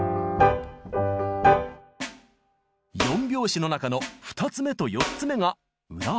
４拍子の中の２つ目と４つ目が「裏拍」。